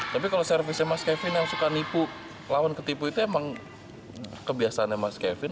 tapi kalau servisnya mas kevin yang suka nipu lawan ketipu itu emang kebiasaannya mas kevin